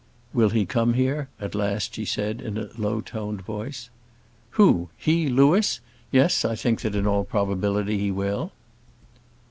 "Will he come here?" at last she said, in a low toned voice. "Who? He, Louis? Yes, I think that in all probability he will."